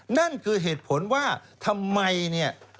นั่นคือเหตุผลว่าทำไมเนี่ย